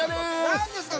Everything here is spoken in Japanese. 何ですか？